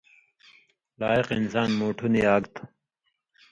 لائق انسان مُوٹُھو نی آگ تھو۔